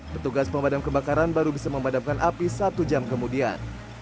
petugas pemadam kebakaran baru bisa memadamkan api satu jam kemudian